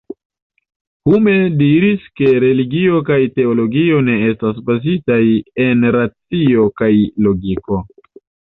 Hume diris ke religio kaj teologio ne estas bazitaj en racio kaj logiko.